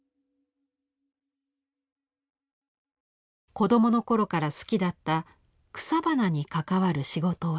子どもの頃から好きだった草花に関わる仕事をしたい。